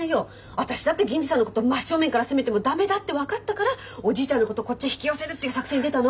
私だって銀次さんのこと真っ正面から攻めても駄目だって分かったからおじいちゃんのことこっちに引き寄せるっていう作戦に出たの。